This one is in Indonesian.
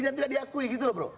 dan tidak diakui gitu loh bro